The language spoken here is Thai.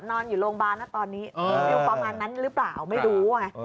นอนอยู่โรงบาร์ตอนนี้มันอยู่ประมาณนั้นหรือเปล่าไม่รู้